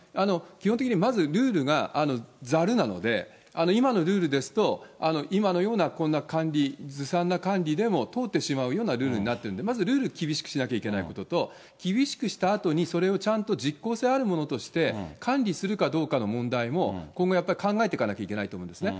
基本的にはまずルールがざるなので、今のルールですと、今のようなこんな管理、ずさんな管理でも通ってしまうようなルールになってるので、まずルール厳しくしなければいけないことと、厳しくしたあとに、それをちゃんと実効性あるものとして、管理するかどうかの問題も、今後、やっぱり考えていかなきゃいけないと思うんですね。